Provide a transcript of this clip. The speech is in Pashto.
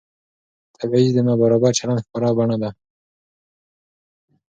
تبعیض د نابرابر چلند ښکاره بڼه ده